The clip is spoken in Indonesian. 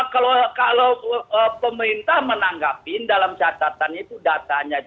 kalau pemerintah menanggapi dalam catatannya itu datanya